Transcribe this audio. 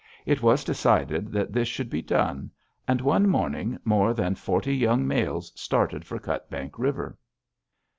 It was decided that this should be done, and one morning more than forty young males started for Cutbank River.